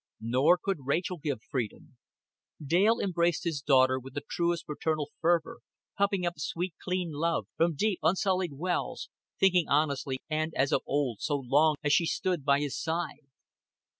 Nor could Rachel give freedom. Dale embraced his daughter with the truest paternal fervor, pumping up sweet clean love from deep unsullied wells, thinking honestly and as of old so long as she stood by his side.